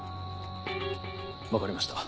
分かりました。